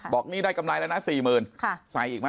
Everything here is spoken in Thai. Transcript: บอกนี่ได้กำไรแล้วนะ๔๐๐๐ใส่อีกไหม